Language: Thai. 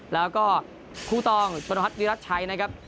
แล้วก็ครูตองชวนภัทรวิรัตน์ชัยนะครับ